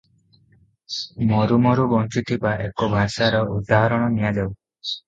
ମରୁ ମରୁ ବଞ୍ଚୁଥିବା ଏକ ଭାଷାର ଉଦାହରଣ ନିଆଯାଉ ।